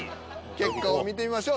結果を見てみましょう。